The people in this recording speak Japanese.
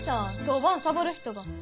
当番サボる人が。